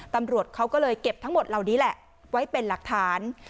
ตำรวจเขาก็เลยเก็บทั้งหมดเหล่านี้แหละไว้เป็นหลักฐาน